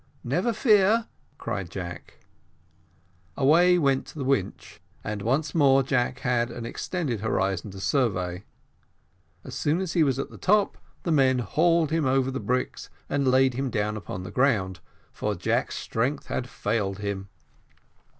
"Never fear," cried Jack. Away went the winch, and once more Jack had an extended horizon to survey. As soon as he was at the top, the men hauled him over the bricks and laid him down upon the ground, for Jack's strength had failed him.